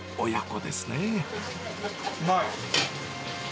うまい！